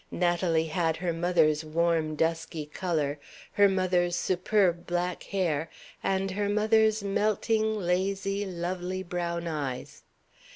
Natalie had her mother's warm dusky color, her mother's superb black hair, and her mother's melting, lazy, lovely brown eyes.